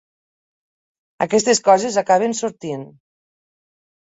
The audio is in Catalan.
Aquestes coses acaben sortint.